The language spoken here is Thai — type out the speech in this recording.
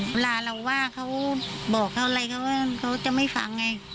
เวลาเราว่าเขาบอกเขาอะไรเขาจะไม่ฟังไง